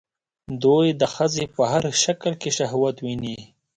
دوی د ښځې په هر شکل کې شهوت ويني